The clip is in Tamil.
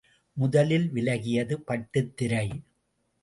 முதலில் விலகியது பட்டுத்திரை.